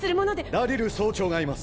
ダリル曹長がいます。